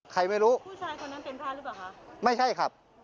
ใครไม่รู้ผู้ชายคนนั้นเป็นพระหรือเปล่าคะไม่ใช่ครับ